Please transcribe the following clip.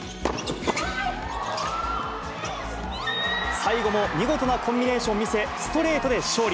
最後も見事なコンビネーションを見せ、ストレートで勝利。